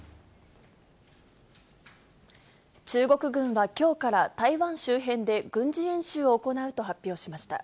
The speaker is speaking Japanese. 中国軍はきょうから、台湾周辺で軍事演習を行うと発表しました。